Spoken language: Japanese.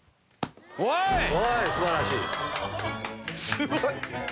すごい！